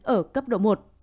ở cấp độ một